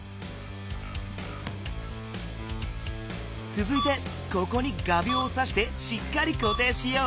つづいてここに画びょうをさしてしっかりこていしよう。